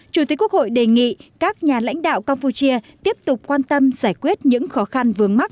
chủ tịch quốc hội đề nghị các nhà lãnh đạo campuchia tiếp tục quan tâm giải quyết những khó khăn vướng mắt